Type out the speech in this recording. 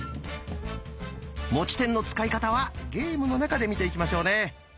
持ち点の使い方はゲームの中で見ていきましょうね！